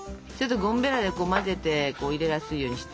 ゴムベラで混ぜて入れやすいようにして。